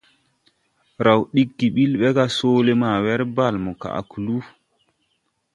Raw diggi ɓil ɓɛ ga soole ma wɛr Bale mo hãʼ kluu.